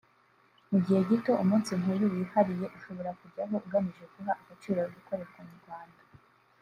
Mu gihe gito umunsi nk’uyu wihariye ushobora kujyaho ugamije guha agaciro ibikorerwa mu Rwanda